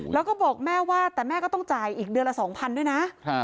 แล้วก็บอกแม่ว่าแต่แม่ก็ต้องจ่ายอีกเดือนละ๒๐๐ด้วยนะ